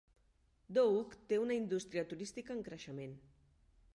Dohuk té una indústria turística en creixement.